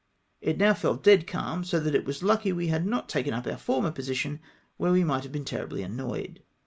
It now fell dead calm, so that it was lucky we had not taken up om' former position, where we might have been terribly annoyed.